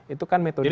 itu kan metodenya